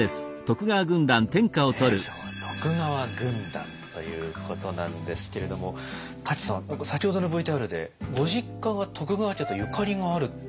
今日は徳川軍団ということなんですけれども舘さん先ほどのＶＴＲでご実家が徳川家とゆかりがあるって。